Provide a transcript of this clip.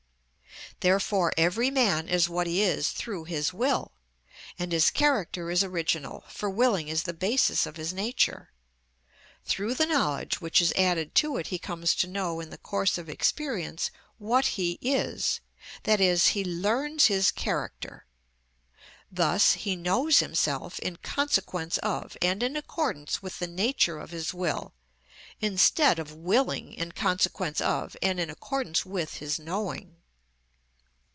Therefore every man is what he is through his will, and his character is original, for willing is the basis of his nature. Through the knowledge which is added to it he comes to know in the course of experience what he is, i.e., he learns his character. Thus he knows himself in consequence of and in accordance with the nature of his will, instead of willing in consequence of and in accordance with his knowing.